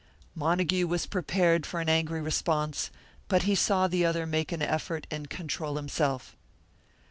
Montague was prepared for an angry response, but he saw the other make an effort and control himself.